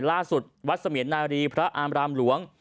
ล่าสุดวัดเสมียนนารีพระอามรามหลวง